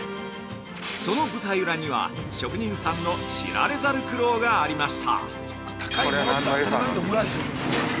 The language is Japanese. その舞台裏には、職人さんの知られざる苦労がありました。